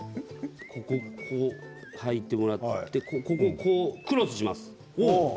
ここ、履いてもらってクロスします。